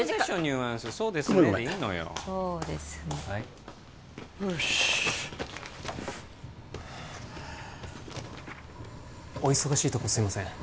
はいよしお忙しいとこすいません